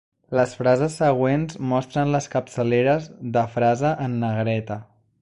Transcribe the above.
Les frases següents mostren les capçaleres de frase en negreta.